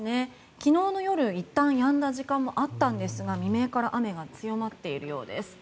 昨日の夜いったんやんだ時間もあったんですが未明から雨が強まっているようです。